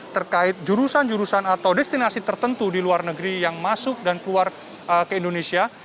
terkait jurusan jurusan atau destinasi tertentu di luar negeri yang masuk dan keluar ke indonesia